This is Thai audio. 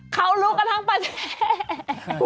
เขารุกกระทั้งประเทศ